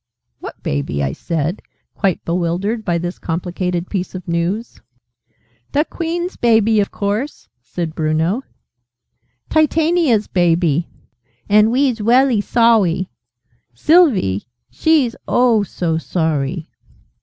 "What Baby?" I said, quite bewildered by this complicated piece of news. "The Queen's Baby, a course!" said Bruno. "Titania's Baby. And we's welly sorry. Sylvie, she's oh so sorry!"